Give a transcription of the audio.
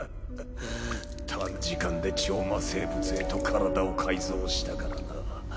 短時間で超魔生物へと体を改造したからな。